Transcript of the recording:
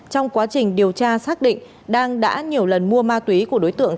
trong quá trình điều tra xác định đang đã nhiều lần mua ma túy của đối tượng